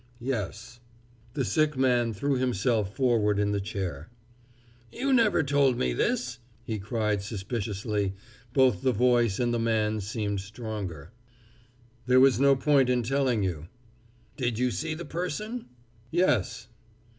"Yes." The sick man threw himself forward in the chair. "You never told me this!" he cried suspiciously; both the voice and the man seemed stronger. "There was no point in telling you." "Did you see the person?" "Yes."